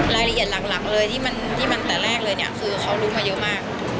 รายละเอียดหลักเลยที่มันแต่แรกเลยเนี่ยคือเขารู้มาเยอะมาก